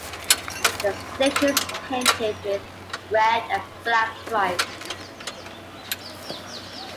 The station is painted with red and black stripes.